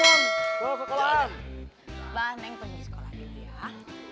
mbak menunggu sekolah dulu ya